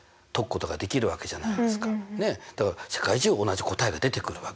だから世界中同じ答えが出てくるわけです。